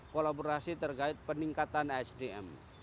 kolaborasi terkait peningkatan sdm